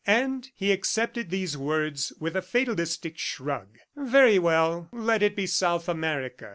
... And he accepted these words with a fatalistic shrug. "Very well, let it be South America!"